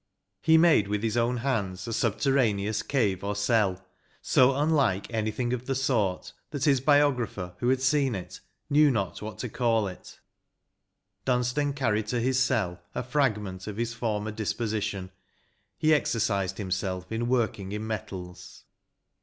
''He made with his own hands a subterraneous cave or cell, so unlike anything of the sort, that his biographer, who had seen it, knew not what to call it Dunstan carried to his cell a fragment of his former disposition ; he exercised himself in working in metals."